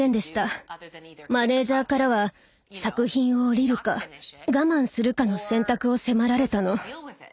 マネージャーからは作品を降りるか我慢するかの選択を迫られたの。